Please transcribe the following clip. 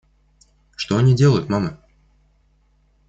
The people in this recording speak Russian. Что они делают, мама?